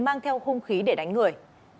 mang theo khung khí để đánh người